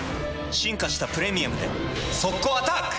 進化した「プレミアム」で速攻アタック！